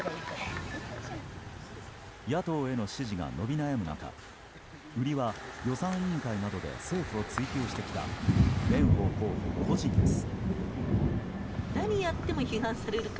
野党への支持が伸び悩む中売りは予算委員会などで政府を追及してきた蓮舫候補個人です。